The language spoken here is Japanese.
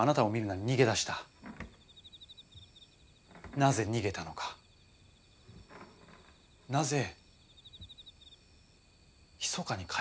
なぜ逃げたのかなぜひそかに帰ったのか？